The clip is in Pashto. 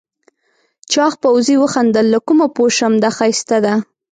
چاغ پوځي وخندل له کومه پوه شم دا ښایسته ده؟